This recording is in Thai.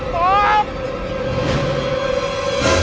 ปอบ